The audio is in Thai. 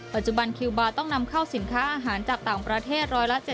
ปัจจุบันคิวบาร์ต้องนำเข้าสินค้าอาหารจากต่างประเทศ๑๗๐